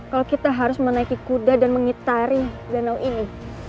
kalau kita harus menaiki kuda dan mengitari danau ini